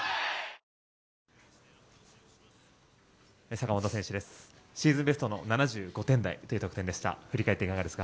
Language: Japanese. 坂本選手です。